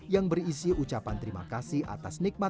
yang berisi ucapan terima kasih atas nikmat